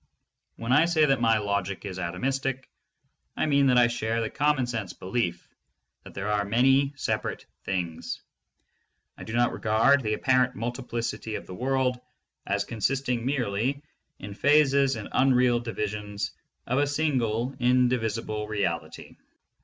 When I say that my logic is atomistic, I mean that I share the common sense belief that there are many separate things ; I do not regard the apparent multiplicity of the world as consisting merely in phases and unreal divisions of a single indivisible Real ity.